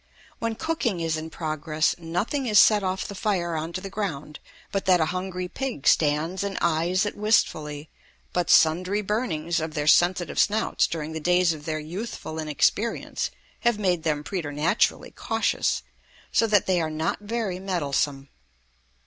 When cooking is in progress, nothing is set off the fire on to the ground but that a hungry pig stands and eyes it wistfully, but sundry burnings of their sensitive snouts during the days of their youthful inexperience have made them preternaturally cautious, so that they are not very meddlesome.